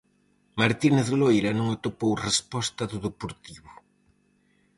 Martínez Loira non atopou resposta do Deportivo.